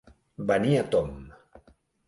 Venir a tomb.